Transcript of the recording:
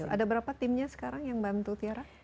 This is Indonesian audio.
ada berapa timnya sekarang yang bantu tiara